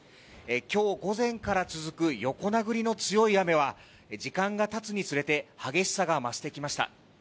今日午前から続く横殴りの強い雨は時間がたつにつれて激しさが増してきました。